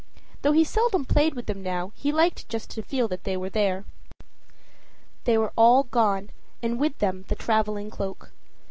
Though he seldom played with them now, he liked just to feel they were there. They were all gone and with them the traveling cloak.